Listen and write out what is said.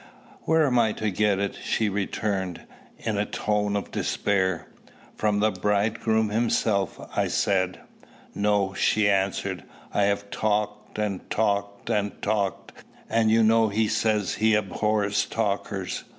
"Where am I to get it?" she returned, in a tone of despair. "From the Bridegroom himself," I said. "No," she answered. "I have talked and talked and talked, and you know he says he abhors talkers.